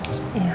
makasih ya om